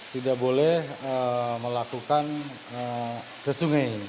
tidak boleh dihukum dengan kondisi mereka di indonesia ini ya pak